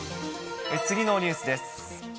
次のニュースです。